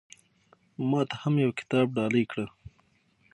ما ته هم يو کتاب ډالۍ کړه